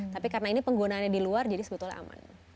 tapi karena ini penggunaannya di luar jadi sebetulnya aman